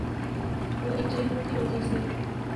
تو ان چہروں کی وجہ سے۔